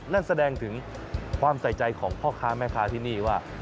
นั่นแสดงถึงความใส่ใจของพ่อค้าแม่ค้าที่นี่ว่า